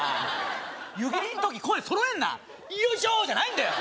湯切りんとき声そろえんなよいしょー！じゃないんだよ。